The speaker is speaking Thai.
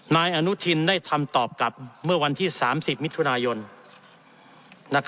นายอนุทินได้ทำตอบกลับเมื่อวันที่๓๐มิถุนายน